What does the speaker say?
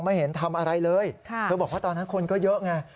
ไม่เห็นทำอะไรเลยเธอบอกว่าตอนนั้นคนก็เยอะไง